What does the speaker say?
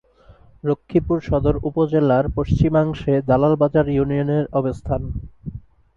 লক্ষ্মীপুর সদর উপজেলার পশ্চিমাংশে দালাল বাজার ইউনিয়নের অবস্থান।